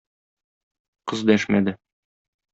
Кыз дәшмәде.